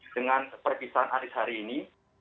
dengan perpisahan hari ini